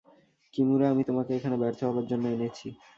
Kimura, আমি তোমাকে এখানে ব্যর্থ হবার জন্য এনেছি।